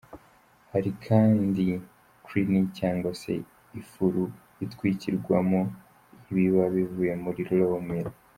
Hari kandi Kiln cyangwa se ifuru itwikirwamo ibiba bivuye muri Raw mill.